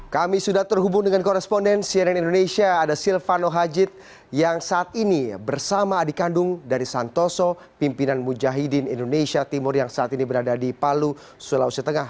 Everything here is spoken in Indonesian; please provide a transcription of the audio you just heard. kami sudah terhubung dengan koresponden cnn indonesia ada silvano hajid yang saat ini bersama adik kandung dari santoso pimpinan mujahidin indonesia timur yang saat ini berada di palu sulawesi tengah